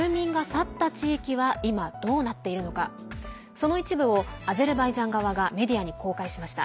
その一部をアゼルバイジャン側がメディアに公開しました。